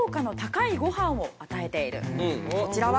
こちらは。